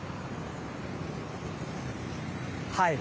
はい。